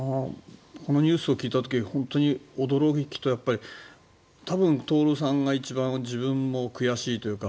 このニュースを聞いた時本当に驚きと多分、徹さんが一番自分も悔しいというか